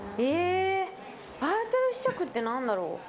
バーチャル試着って何だろう？